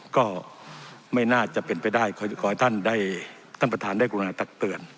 ก็ไม่น่าจะเป็นไปได้ขอให้ท่านได้ท่านประธานได้กรุณาตักเตือน